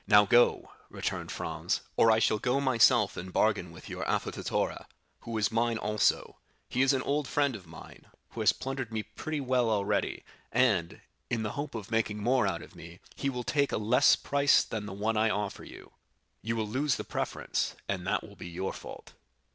"Now go," returned Franz, "or I shall go myself and bargain with your affettatore, who is mine also; he is an old friend of mine, who has plundered me pretty well already, and, in the hope of making more out of me, he will take a less price than the one I offer you; you will lose the preference, and that will be your fault."